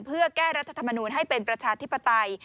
เพื่อแก้รัฐธรรมนูลให้เป็นประชาธิปไตย